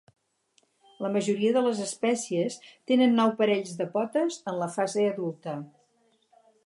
La majoria de les espècies tenen nou parells de potes en la fase adulta.